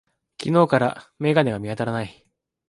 昨日から眼鏡が見当たらない。